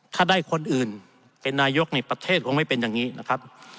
ถ้าได้คนอื่นเป็นนายกนี่ประเทศคงไม่เป็นอย่างนี้นะครับ